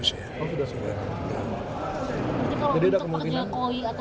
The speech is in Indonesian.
jadi kalau untuk pak jokowi atau mas gibran itu harus